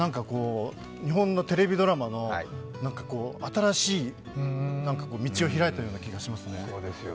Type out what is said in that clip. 日本のテレビドラマの新しい道を開いたような気がしますね。